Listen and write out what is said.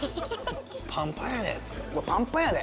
パンパンやで。